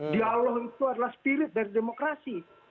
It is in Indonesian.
dialog itu adalah spirit dari demokrasi